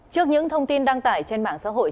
trước những thông tin đăng tải trên mạng xã hội